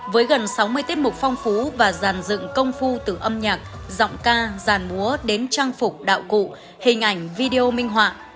với gần sáu mươi tiết mục phong phú và giàn dựng công phu từ âm nhạc giọng ca giàn múa đến trang phục đạo cụ hình ảnh video minh họa